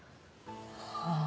はあ。